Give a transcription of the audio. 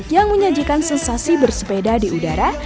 yang menyajikan sensasi bersepeda dikubur